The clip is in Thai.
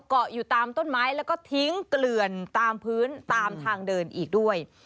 เกาะอยู่ตามต้นไม้แล้วก็ทิ้งเกลื่อนตามพื้นตามทางเดินอีกด้วย